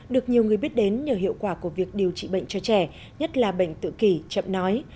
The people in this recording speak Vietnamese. được nhiều người biết đến nhờ hiệu quả của việc điều trị bệnh cho trẻ nhất là bệnh tự kỷ chậm nói